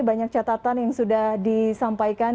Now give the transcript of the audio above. banyak catatan yang sudah disampaikan